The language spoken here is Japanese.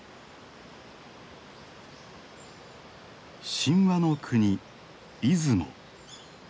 神話の国出雲。